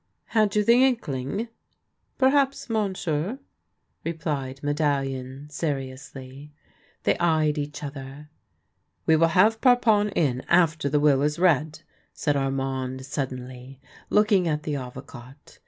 " Had you the inkling? "" Perhaps, monsieur," replied Medallion seriously. They eyed each other. " We will have Parpon in after the will is read," said Armand suddenly, looking at the Avocat.